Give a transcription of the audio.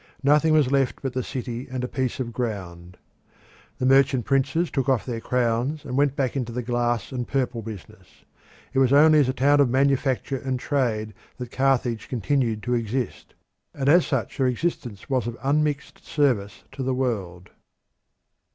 Nothing was left but the city and a piece of ground. The merchant princes took off their crowns and went back into the glass and purple business. It was only as a town of manufacture and trade that Carthage continued to exist, and as such her existence was of unmixed service to the world.